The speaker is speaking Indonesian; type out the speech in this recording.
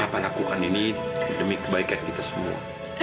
papa lakukan ini demi kebaikan kita semua